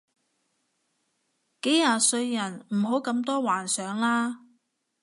幾廿歲人唔好咁多幻想啦